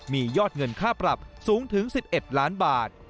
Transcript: มียอดเงินค่าปรับสูงถึง๑๑ล้านบาท